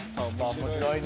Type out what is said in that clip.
面白いね。